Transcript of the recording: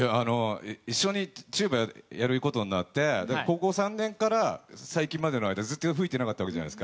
一緒にチューバをやることになって高校３年から最近までずっと吹いていなかった。